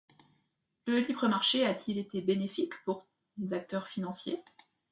Ce libre marché a-t-il été bénéfique pour les acteurs financiers ?